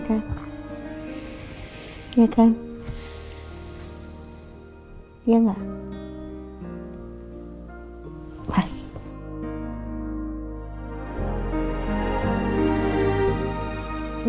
baik pitai patah valo